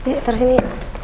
ya terus ini